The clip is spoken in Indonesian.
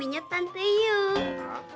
calonnya ntar jatoh pake hati